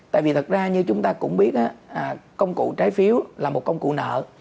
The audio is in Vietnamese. tại vì thật ra như chúng ta cũng biết công cụ trái phiếu là một công cụ nợ